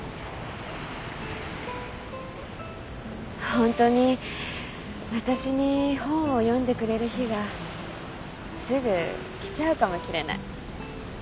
ホントにわたしに本を読んでくれる日がすぐ来ちゃうかもしれない。